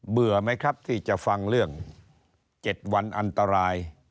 ไหมครับที่จะฟังเรื่อง๗วันอันตราย